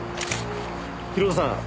広田さん